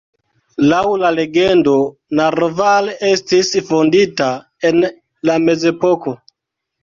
Laŭ la legendo Naroval estis fondita en la mezepoko.